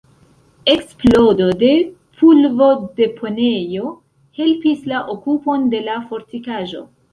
Eksplodo de pulvo-deponejo helpis la okupon de la fortikaĵo.